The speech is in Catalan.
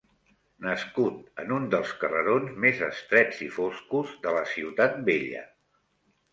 Nascut en un dels carrerons més estrets i foscos de la ciutat vella